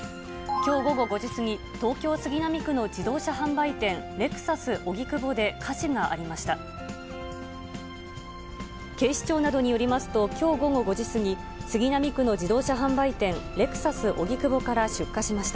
きょう午後５時過ぎ、東京・杉並区の自動車販売店、レクサス荻窪で火事がありました。